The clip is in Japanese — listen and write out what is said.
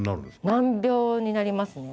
難病になりますね。